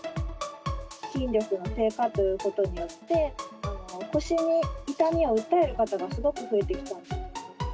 筋力の低下ということによって、腰に痛みを訴える方がすごく増えてきた。